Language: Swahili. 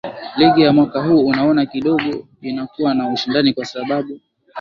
ligi ya mwaka huu unaona kidogo inakuwa na ushindani kwa sababu